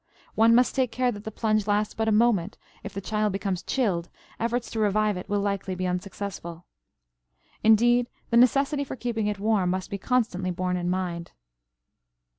One must take care that the plunge lasts but a moment; if the child becomes chilled efforts to revive it will likely be unsuccessful. Indeed, the necessity for keeping it warm must be constantly borne in mind.